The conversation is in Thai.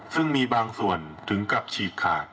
ซึ่งมีบางส่วนถึงกับฉีกขาด